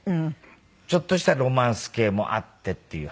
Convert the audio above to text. ちょっとしたロマンス系もあってっていう話なんですよ。